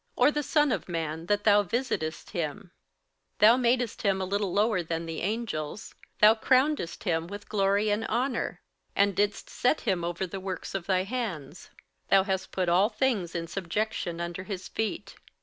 or the son of man that thou visitest him? 58:002:007 Thou madest him a little lower than the angels; thou crownedst him with glory and honour, and didst set him over the works of thy hands: 58:002:008 Thou hast put all things in subjection under his feet.